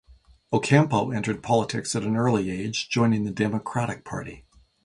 Ocampo entered politics at an early age, joining the Democratic Party.